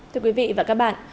thưa quý vị và các bạn